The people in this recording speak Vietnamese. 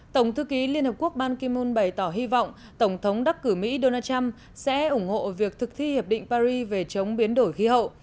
tổng thư ký liên hợp quốc ban kimon bày tỏ hy vọng tổng thống đắc cử mỹ donald trump sẽ ủng hộ việc thực thi hiệp định paris về chống biến đổi khí hậu